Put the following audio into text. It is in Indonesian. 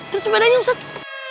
terus sepedanya ustadz